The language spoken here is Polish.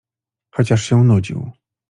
Chociaż się nudził.